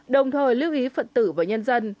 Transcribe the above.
đồng thời lưu ý phận tử và nhân dân